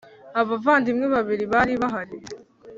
abavandimwe babiri bari bahari.